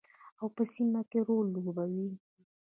او په سیمه کې رول لوبوي.